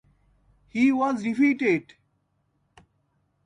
He was defeated.